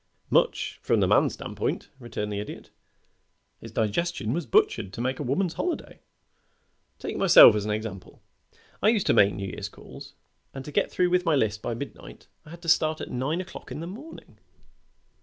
"Much from the man's stand point," returned the Idiot. "His digestion was butchered to make a woman's holiday. Take myself as an example. I used to make New Year's calls; and to get through with my list by midnight, I had to start in at nine o'clock in the morning."